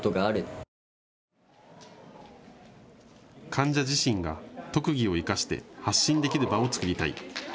患者自身が特技を生かして発信できる場を作りたい。